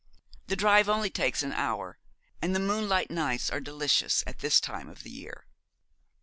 The drive only takes an hour, and the moonlight nights are delicious at this time of the year.'